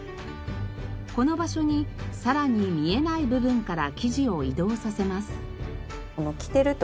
この場所にさらに見えない部分から生地を移動させます。